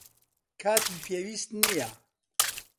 کاتی پێویست نییە.